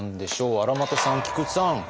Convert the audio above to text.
荒俣さん菊地さん！